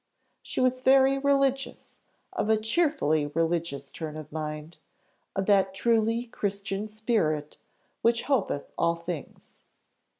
She was very religious, of a cheerfully religious turn of mind of that truly Christian spirit which hopeth all things.